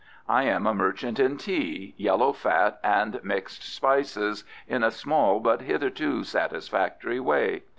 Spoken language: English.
"I am a merchant in tea, yellow fat, and mixed spices, in a small but hitherto satisfactory way."